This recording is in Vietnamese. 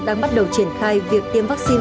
đang bắt đầu triển khai việc tiêm vaccine